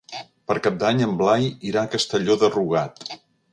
Per Cap d'Any en Blai irà a Castelló de Rugat.